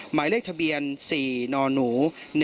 หมายเลขทะเบียน๔นหนู๑๑